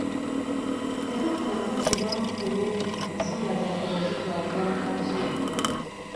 Tetufuna kuddibwamu kulungi ensonga zaffe bwe zitwalibwa mu kakiiko.